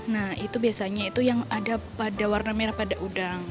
nah itu biasanya itu yang ada pada warna merah pada udang